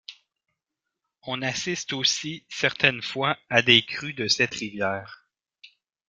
On assiste aussi certaines fois à des crues de cette rivière.